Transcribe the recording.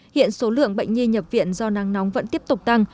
hiện số lượng bệnh nhi nhập viện do nắng nóng vẫn tiếp tục tăng